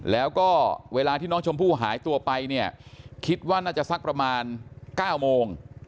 แล้วก็เวลาที่น้องชมพู่หายตัวไปเนี่ยคิดว่าน่าจะสักประมาณ๙โมง